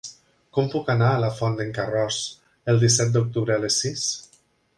Com puc anar a la Font d'en Carròs el disset d'octubre a les sis?